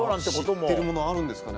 知ってるものあるんですかね？